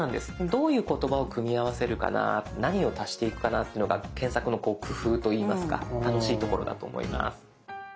どういう言葉を組み合わせるかな何を足していくかなっていうのが検索の工夫といいますか楽しいところだと思います。